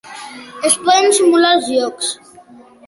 Es poden simular els jocs.